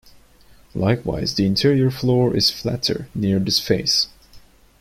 Likewise the interior floor is flatter near this face.